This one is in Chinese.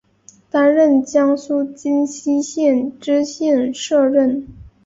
担任江苏荆溪县知县摄任。